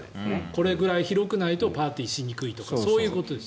これぐらい広くないとパーティーしにくいとかそういうことです。